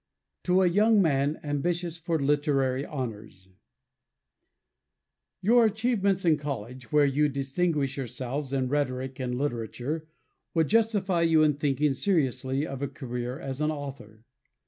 To a Young Man Ambitious for Literary Honours Your achievements in college, where you distinguished yourself in rhetoric and literature, would justify you in thinking seriously of a career as an author.